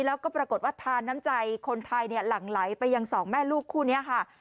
แล้วก็ปรากฏว่าทานน้ำใจคนไทยหลั่งไหลไปยังสองแม่ลูกคู่นี้ค่ะ